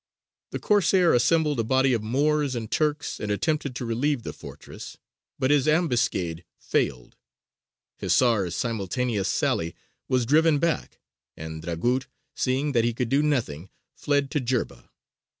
The Corsair assembled a body of Moors and Turks and attempted to relieve the fortress; but his ambuscade failed, Hisār's simultaneous sally was driven back, and Dragut, seeing that he could do nothing, fled to Jerba.